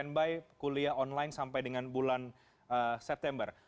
oke baik baik standby kuliah online sampai dengan bulan september